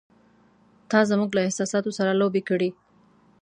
“تا زموږ له احساساتو سره لوبې کړې!